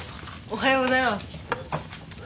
おはようございます。